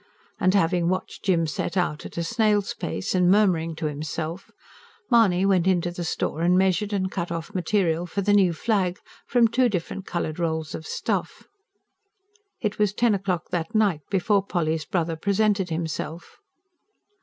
And having watched Jim set out, at a snail's pace and murmuring to himself, Mahony went into the store, and measured and cut off material for the new flag, from two different coloured rolls of stuff. It was ten o'clock that night before Polly's brother presented himself.